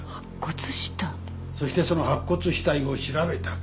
そしてその白骨死体を調べた結果。